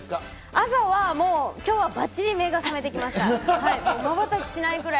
朝は、もうきょうはばっちり目が覚めてきました。